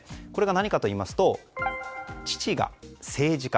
何かといいますと、父が政治家。